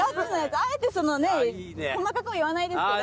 あえて細かくは言わないですけど。